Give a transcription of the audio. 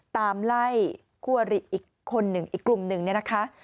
ตามไล่คู่อริอีกคนหนึ่งอีกกลุ่มหนึ่งเนี่ยนะคะ